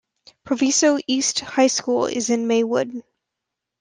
Proviso East High School is in Maywood.